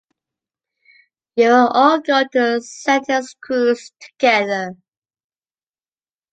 You will all go to Santes Creus together.